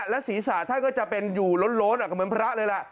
แล้วศีรษะท่านก็จะเป็นอยู่โล้นโล้นอะเหมือนพระเลยแหละ